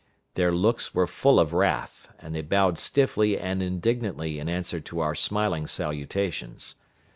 Their looks were full of wrath, and they bowed stiffly and indignantly in answer to our smiling salutations.